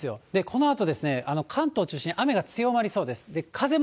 このあとですね、関東を中心に雨が強まりそうです。